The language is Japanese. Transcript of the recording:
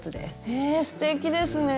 へえすてきですね。